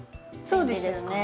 そうですよね。